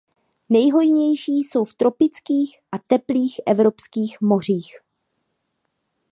Nejhojnější jsou v tropických a teplých evropských mořích.